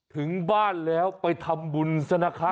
ถึงบ้านแล้วไปทำบุญซะนะคะ